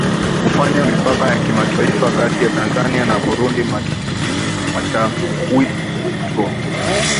hufanya mipaka ya kimataifa kati ya Tanzania na BurundiMatawimto